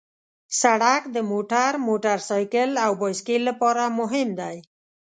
سړک د موټر، موټرسایکل او بایسکل لپاره مهم دی.